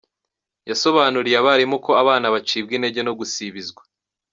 Yasobanuriye abarimu ko abana bacibwa intege no gusibizwa.